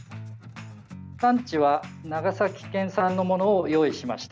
産地は長崎県産のものを用意しました。